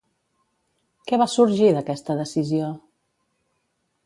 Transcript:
Què va sorgir d'aquesta decisió?